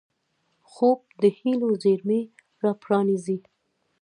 خوب د هیلو زېرمې راپرانيزي